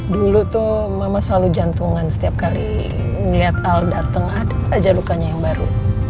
dulu tuh mama selalu jantungan setiap kali ngeliat al datang ada aja lukanya yang baru